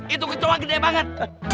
itu kecohan gede banget